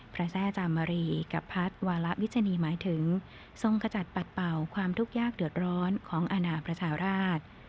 พระแท่จัดอย่างเรคภัฒนภระวิชนีหมายถึงทรงจากปัดเปล่าความทุกข์ยากเกิดร้อนของอนาภรรยาราช